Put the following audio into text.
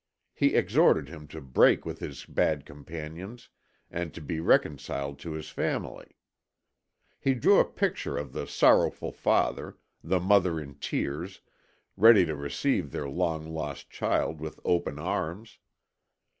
He exhorted him to break with his bad companions and to be reconciled to his family. He drew a picture of the sorrowful father, the mother in tears, ready to receive their long lost child with open arms.